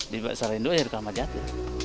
di pasar induk ya di ramadjati